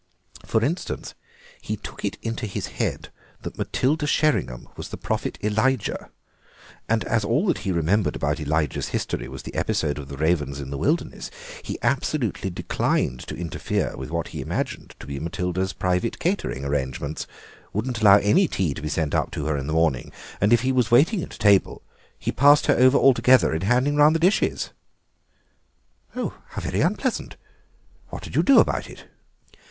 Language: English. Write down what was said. For instance, he took it into his head that Matilda Sheringham was the Prophet Elijah, and as all that he remembered about Elijah's history was the episode of the ravens in the wilderness he absolutely declined to interfere with what he imagined to be Matilda's private catering arrangements, wouldn't allow any tea to be sent up to her in the morning, and if he was waiting at table he passed her over altogether in handing round the dishes." "How very unpleasant. Whatever did you do about it?"